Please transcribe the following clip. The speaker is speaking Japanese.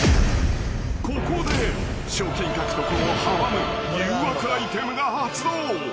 ［ここで賞金獲得を阻む誘惑アイテムが発動］